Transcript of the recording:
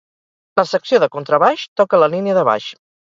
La secció de contrabaix toca la línia de baix.